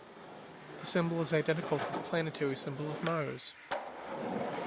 The symbol is identical to the planetary symbol of Mars.